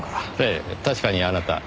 ええ確かにあなた。